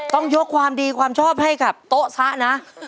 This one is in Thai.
ต้องยกความดีความชอบให้กับโต๊ะซะนะ